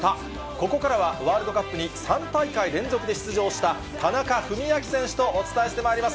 ここからは、ワールドカップに３大会連続で出場した田中史朗選手とお伝えしてまいります。